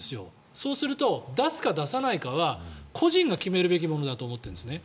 そうすると出すか出さないかは個人が決めるべきものだと思っているんですね。